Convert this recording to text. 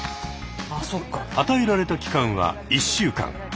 与えられた期間は１週間。